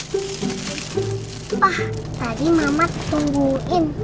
pa tadi mama tungguin